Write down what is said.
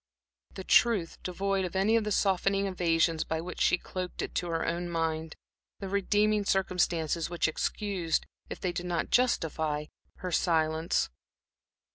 The truth, devoid of any of the softening evasions by which she cloaked it to her own mind; the redeeming circumstances which excused, if they did not justify, her silence.